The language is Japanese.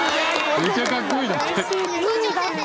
「めっちゃかっこいい」だって。